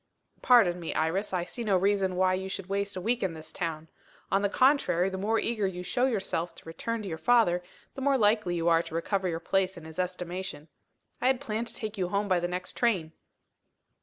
"Pardon me, Iris, I see no reason why you should waste a week in this town. On the contrary, the more eager you show yourself to return to your father, the more likely you are to recover your place in his estimation. I had planned to take you home by the next train."